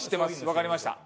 わかりました。